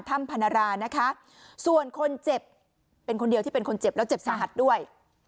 พนรานะคะส่วนคนเจ็บเป็นคนเดียวที่เป็นคนเจ็บแล้วเจ็บสาหัสด้วย